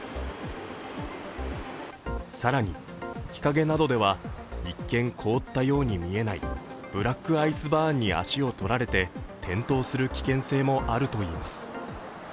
更に、日陰などでは一見凍った様に見えないブラックアイスバーンに足を取られて、転倒する危険性もあるといいます。